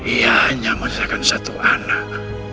ia hanya menyelesaikan satu anak